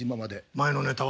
前のネタは？